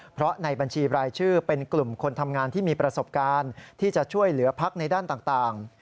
เพราะในบัญชีรายชื่อเป็นกลุ่มคนทำงานที่มีประสบการณ์ที่จะช่วยเหลือพักในด้านต่าง